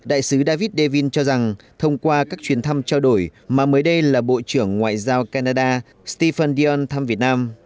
đại sứ david davin cho rằng thông qua các chuyến thăm trao đổi mà mới đây là bộ trưởng ngoại giao canada stephen dion thăm việt nam